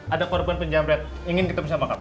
ada korban penjamret ingin ditemui sama kak